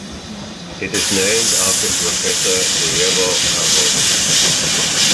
It is named after Professor Guillermo Haro.